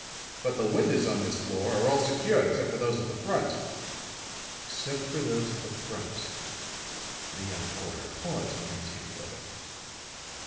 But the windows on this floor are all secured except for those at the front." "Except for those at the front." The young coroner paused in his hand rubbing.